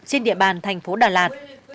trên địa bàn thành phố đà lạt